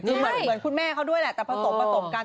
เหมือนคุณแม่เค้าด้วยแหละแต่ผสมกัน